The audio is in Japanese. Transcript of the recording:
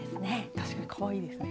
確かにかわいいですね。